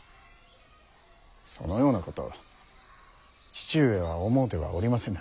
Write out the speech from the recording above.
そのようなこと父上は思うてはおりませぬ。